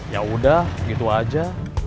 yaudah gitu aja